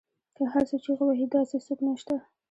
که هر څو چیغې وهي داسې څوک نشته